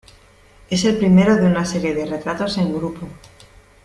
Es el primero de una serie de retratos en grupo.